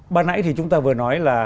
bạn nãy thì chúng ta vừa nói là